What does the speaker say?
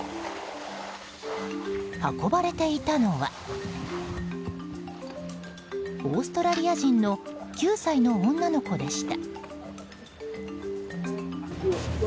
運ばれていたのはオーストラリア人の９歳の女の子でした。